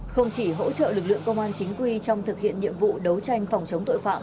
không chỉ hỗ trợ lực lượng công an chính quy trong thực hiện nhiệm vụ đấu tranh phòng chống tội phạm